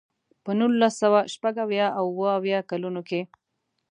په نولس سوه شپږ اویا او اوه اویا کلونو کې.